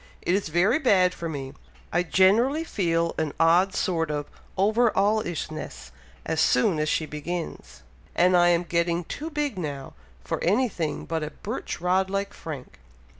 It is very bad for me! I generally feel an odd sort of over all ish ness as soon as she begins; and I am getting too big now, for any thing but a birch rod like Frank.